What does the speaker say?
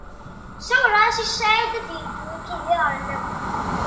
Sawleɣ-as i Saɛid ad yeddu yid-i ɣer lakul.